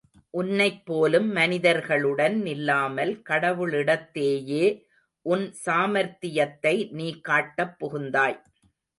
உன்னைப் போலும் மனிதர்களுடன் நில்லாமல் கடவுளிடத்தேயே உன் சாமர்த்தியத்தை நீ காட்டப் புகுந்தாய்.